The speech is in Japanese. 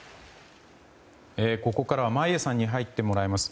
ここからは眞家さんに入ってもらいます。